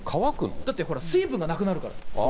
だってほら、水分がなくなるから。